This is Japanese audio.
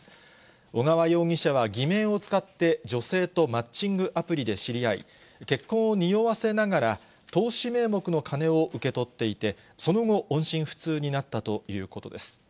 小川容疑者は偽名を使って、女性とマッチングアプリで知り合い、結婚をにおわせながら、投資名目の金を受け取っていて、その後、音信不通になったということです。